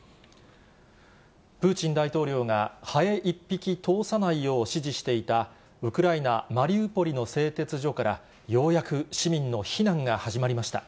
プーチン大統領が、ハエ一匹通さないよう指示していた、ウクライナ・マリウポリの製鉄所から、ようやく市民の避難が始まりました。